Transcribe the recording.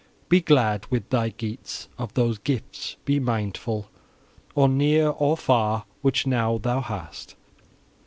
Be glad with thy Geats; of those gifts be mindful, or near or far, which now thou hast.